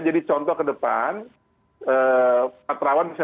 jadi contoh ke depan pak terawan bisa